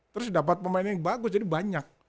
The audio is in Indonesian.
terus dapat pemain yang bagus jadi banyak